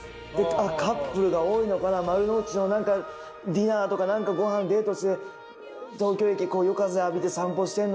カップルが多いのかな丸の内のディナーとかごはんデートして東京駅夜風浴びて散歩してんのかな。